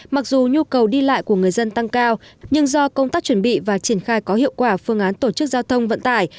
mặc dù nhu cầu đi lại của người dân tăng cao nhưng do công tác chuẩn bị và triển khai có hiệu quả phương án tổ chức giao thông vận tải